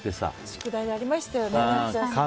宿題でありましたよね。